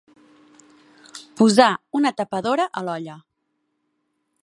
Posar una tapadora a l'olla.